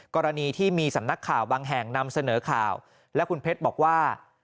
กรณีที่มีสำนักข่าวบางแห่งนำเสนอข่าวและคุณเพชรบอกว่า